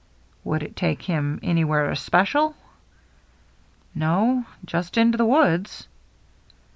" Would it take him anywhere especial ?" "No — just into the woods."